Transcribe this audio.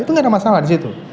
itu tidak ada masalah disitu